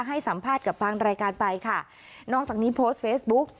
ให้สัมภาษณ์กับทางรายการไปค่ะนอกจากนี้โพสต์เฟซบุ๊ก